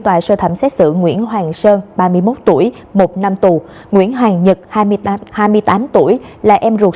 tòa sơ thẩm xét xử nguyễn hoàng sơn ba mươi một tuổi một năm tù nguyễn hoàng nhật hai mươi tám tuổi là em ruột